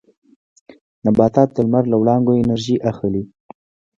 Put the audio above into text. نباتات د لمر له وړانګو انرژي اخلي